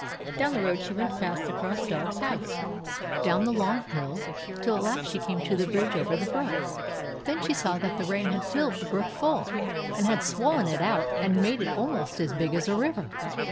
Down the road she went past the Cross Dog's house, down the long hill, till at last she came to the bridge over the brook. Then she saw that the rain had filled the brook full, and had swollen it out and made it almost as big as a river.